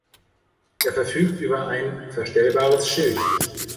Er verfügt über ein verstellbares Schild.